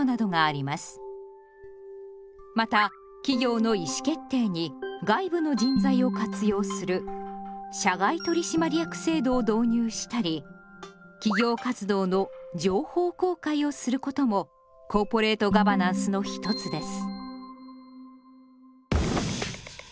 また企業の意思決定に外部の人材を活用する「社外取締役制度」を導入したり企業活動の「情報公開」をすることもコーポレートガバナンスの一つです。